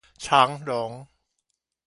長榮